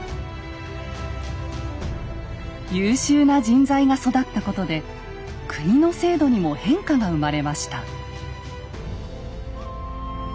優秀な人材が育ったことで国の制度にも変化が生まれました。